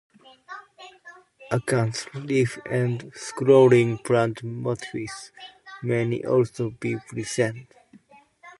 Acanthus leaf and scrolling plant motifs may also be present.